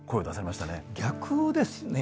逆ですね。